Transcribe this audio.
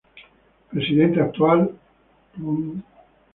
Presidente actual: Prof.